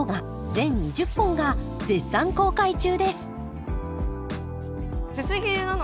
全２０本が絶賛公開中です